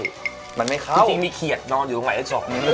จริงมีเขียดนอนอยู่หลังหมายเลข๒